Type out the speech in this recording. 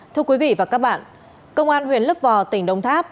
thưa quý vị và các bạn công an huyện lấp vò tỉnh đông tháp